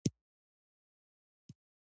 قلم د علمي خبرو ژباړونکی دی